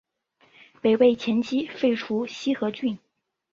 北魏前期废除西河郡。